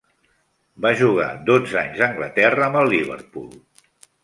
Va jugar dotze anys a Anglaterra amb el Liverpool.